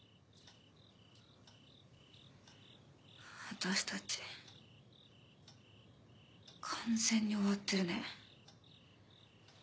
私たち完全に終わってるね。